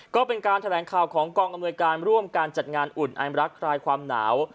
ก็เป็นการแถลงข่าวของกองอำนวยการร่วมการจัดงานอุ่นไอมรักคลายความหนาว